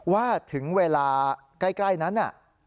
ว่าถึงเวลาใกล้นั้น